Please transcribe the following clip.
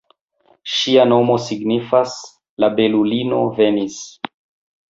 Ŝia nomo signifas ""La belulino venis"".